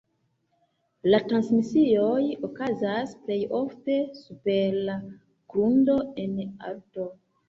La transmisio okazas plej ofte super la grundo en alto.